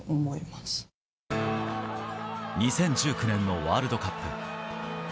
２０１９年のワールドカップ。